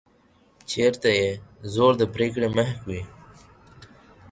چېرته چې زور د پرېکړې محک وي.